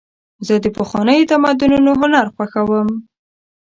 زه د پخوانیو تمدنونو هنر خوښوم.